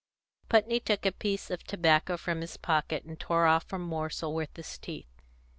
Putney took a piece of tobacco from his pocket, and tore off a morsel with his teeth.